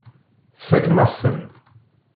Tfakem-aɣ-ten.